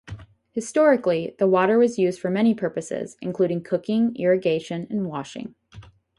Historically, the water was used for many purposes including cooking, irrigation, and washing.